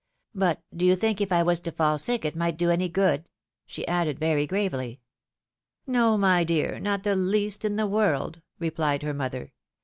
" But do you think if I was to fall sick, it might do any good ?" she added very gravely. " No, my dear, not the least in the world ;" replied her mother.